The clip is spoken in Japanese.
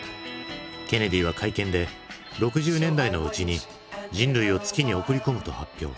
ケネディは会見で６０年代のうちに人類を月に送り込むと発表。